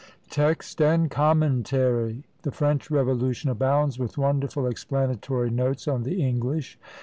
Text and commentary! The French Revolution abounds with wonderful "explanatory notes" on the English.